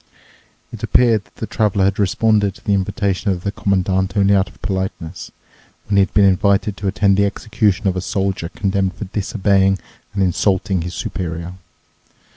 It appeared that the Traveler had responded to the invitation of the Commandant only out of politeness, when he had been invited to attend the execution of a soldier condemned for disobeying and insulting his superior.